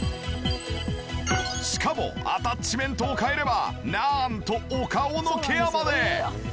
しかもアタッチメントを換えればなんとお顔のケアまで！